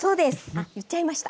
あ言っちゃいました。